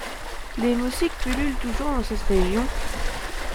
Les moustiques pullulent toujours dans cette région.